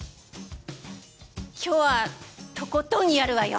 今日はとことんやるわよ。